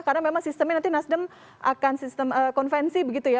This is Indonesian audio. karena memang sistemnya nanti nasdem akan sistem konvensi begitu ya